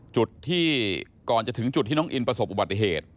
จุดที่ก่อนจะถึงจุดที่น้องอินประสบอุบัติเหตุ